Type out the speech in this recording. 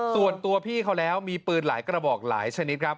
ส่วนตัวพี่เขาแล้วมีปืนหลายกระบอกหลายชนิดครับ